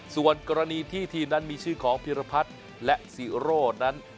ส่วนกรณีที่ทีมนั้นมีชื่อของพิรพัฒน์และซีโร่นั้น